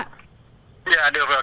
dạ được rồi